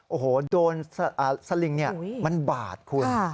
โอ้โหโดนสลิงมันบาดคุณ